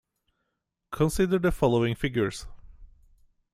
Consider the following figures.